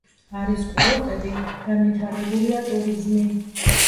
არის კურორტები, განვითარებულია ტურიზმი.